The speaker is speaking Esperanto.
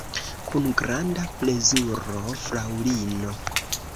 Kun granda plezuro, fraŭlino!